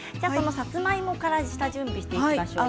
さつまいもから下準備をしていきましょうか。